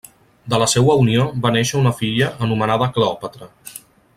De la seua unió va néixer una filla anomenada Cleòpatra.